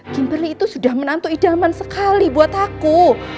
gimberly itu sudah menantu idaman sekali buat aku